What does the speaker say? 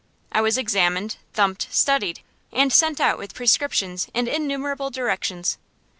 I was examined, thumped, studied, and sent out with prescriptions and innumerable directions.